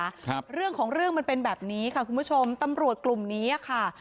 ครับเรื่องของเรื่องมันเป็นแบบนี้ค่ะคุณผู้ชมตำรวจกลุ่มนี้อ่ะค่ะ